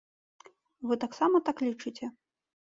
Вы таксама так лічыце?